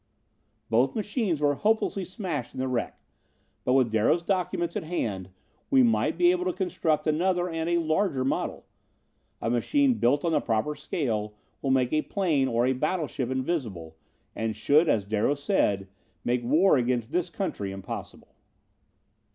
"Both machines were hopelessly smashed in the wreck, but with Darrow's documents at hand, we might be able to construct another and a larger model. A machine built on the proper scale will make a plane or a battleship invisible and should, as Darrow said, make war against this country impossible.